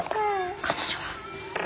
彼女は？